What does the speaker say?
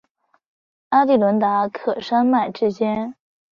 阿第伦达克山脉之间。